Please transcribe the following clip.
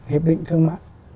hiệp định thương mạng